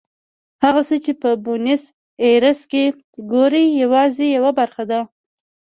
هغه څه چې په بونیس ایرس کې ګورئ یوازې یوه برخه ده.